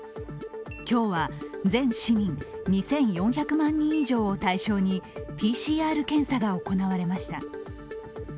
今日は全市民２４００万人以上を対象にＰＣＲ検査が行われました。